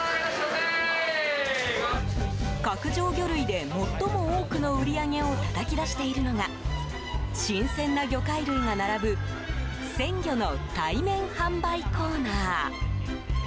角上魚類で最も多くの売り上げをたたき出しているのが新鮮な魚介類が並ぶ鮮魚の対面販売コーナー。